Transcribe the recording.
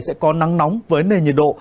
sẽ có nắng nóng với nền nhiệt độ